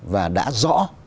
và đã rõ